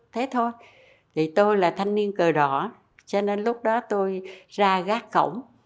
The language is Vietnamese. thế thôi thì tôi là thanh niên cờ đỏ cho nên lúc đó tôi ra gác cổng